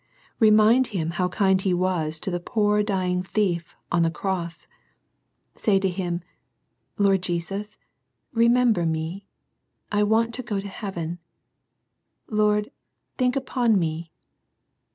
Remind Him how kind He was to the poor dying thief on the cross. Say to Him, "Lord Jesus, remember me ; I want to go to heaven. Lord, think upon me.